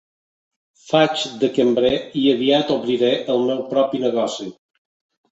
Faig de cambrer i aviat obriré el meu propi negoci.